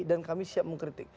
dan kami siap mengkritik